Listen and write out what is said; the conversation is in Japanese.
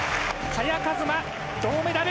萱和磨、銅メダル。